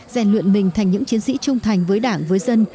rèn luyện mình thành những chiến sĩ trung thành với đảng với dân